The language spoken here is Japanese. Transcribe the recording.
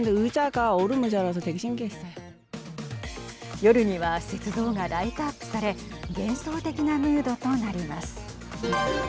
夜には雪像がライトアップされ幻想的なムードとなります。